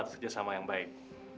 atas kerjasama yang baik